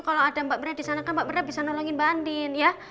kalau ada mbak mirna disana kan mbak mirna bisa nolongin mbak andin ya